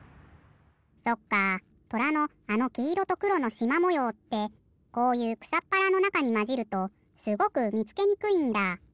そっかとらのあのきいろとくろのしまもようってこういうくさっぱらのなかにまじるとすごくみつけにくいんだ。